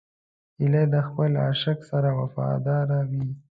هیلۍ د خپل عاشق سره وفاداره وي